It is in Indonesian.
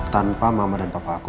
tanpa mama dan papa aku